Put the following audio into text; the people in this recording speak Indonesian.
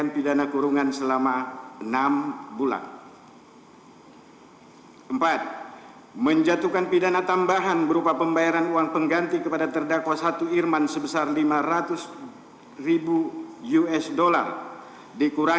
tiga menjatuhkan pidana kepada terdakwa dua subiharto